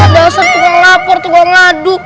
loh udah asap tuh ngelapor tuh gua ngaduk